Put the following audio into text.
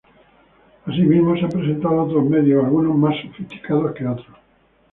Asimismo se han presentado otros medios, algunos más sofisticados que otros.